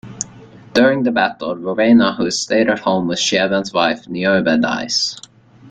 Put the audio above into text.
During the battle, Rowena, who has stayed at home with Sieben's wife Niobe, dies.